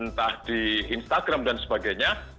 entah di instagram dan sebagainya